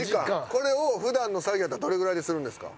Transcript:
これを普段の作業やったらどれぐらいでするんですか？